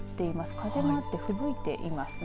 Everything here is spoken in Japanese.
風もあって吹雪いていますね。